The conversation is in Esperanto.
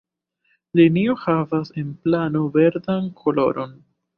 Linio havas en plano verdan koloron.